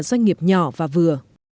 doanh nghiệp nhỏ và vừa